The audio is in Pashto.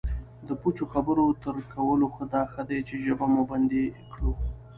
د پوچو خبرو تر کولو خو دا ښه دی چې ژبه مو بندي کړو